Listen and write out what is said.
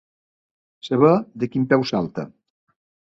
Saber de quin peu salta.